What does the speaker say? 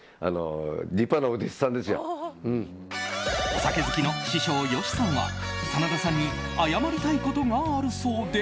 お酒好きの師匠・吉さんは真田さんに謝りたいことがあるそうで。